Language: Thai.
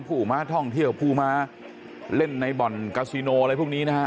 ผู้มาท่องเที่ยวผู้มาเล่นในบ่อนกาซิโนอะไรพวกนี้นะฮะ